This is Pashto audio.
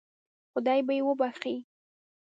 خدای به یې وبخشي.